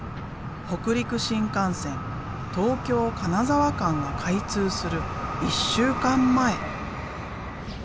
北陸新幹線東京金沢間が開通する１週間前。